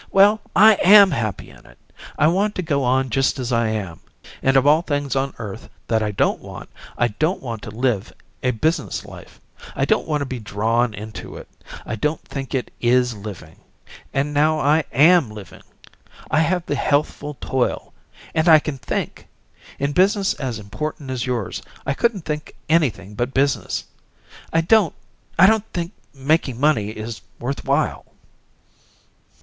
Well, I AM happy in it. I want to go on just as I am. And of all things on earth that I don't want, I don't want to live a business life I don't want to be drawn into it. I don't think it IS living and now I AM living. I have the healthful toil and I can think. In business as important as yours I couldn't think anything but business. I don't I don't think making money is worth while."